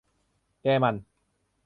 แกมัน